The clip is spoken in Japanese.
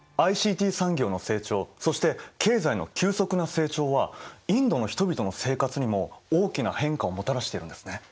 ＩＣＴ産業の成長そして経済の急速な成長はインドの人々の生活にも大きな変化をもたらしているんですね。